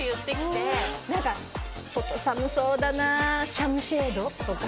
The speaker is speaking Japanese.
「外寒そうだなシャムシェイド」とか。